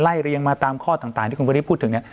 ไล่เรียงมาตามข้อต่างที่คุณพระฤทธิ์พูดถึง